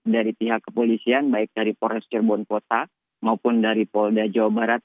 dari pihak kepolisian baik dari polres cirebon kota maupun dari polda jawa barat